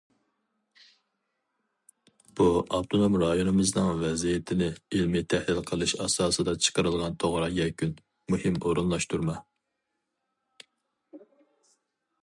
بۇ ئاپتونوم رايونىمىزنىڭ ۋەزىيىتىنى ئىلمىي تەھلىل قىلىش ئاساسىدا چىقىرىلغان توغرا يەكۈن، مۇھىم ئورۇنلاشتۇرما.